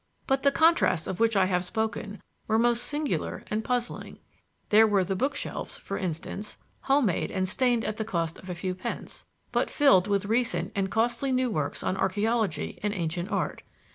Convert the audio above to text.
But the contrasts of which I have spoken were most singular and puzzling. There were the bookshelves, for instance, home made and stained at the cost of a few pence, but filled with recent and costly new works on archeology and ancient art.